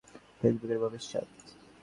এই টেলিপ্যাথিই হতে পারে ফেসবুকের ভবিষ্যৎ।